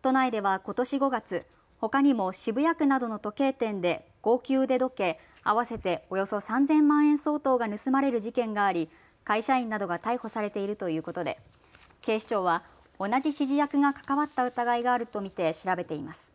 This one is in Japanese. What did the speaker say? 都内ではことし５月、ほかにも渋谷区などの時計店で高級腕時計合わせておよそ３０００万円相当が盗まれる事件があり会社員などが逮捕されているということで警視庁は同じ指示役が関わった疑いがあると見て調べています。